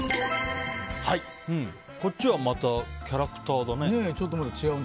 こっちはまたキャラクターだね。